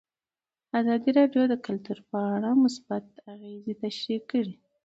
ازادي راډیو د کلتور په اړه مثبت اغېزې تشریح کړي.